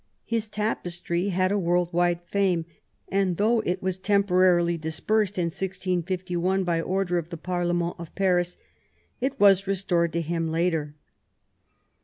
His tapestry had a world wide fame, and though it was temporarily dispersed in 1651 by order of the parlement of Paris, it was restored to him later.